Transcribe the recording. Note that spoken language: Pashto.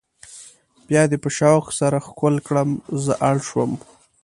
بیا دې په شوق سره ښکل کړم زه اړ شوم.